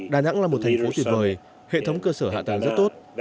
đà nẵng là một thành phố tuyệt vời hệ thống cơ sở hạ tầng rất tốt